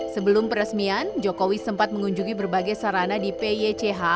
sebelum peresmian jokowi sempat mengunjungi berbagai sarana di pych